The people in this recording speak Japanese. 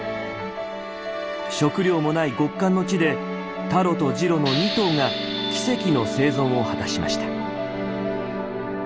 食料もない極寒の地でタロとジロの２頭が奇跡の生存を果たしました。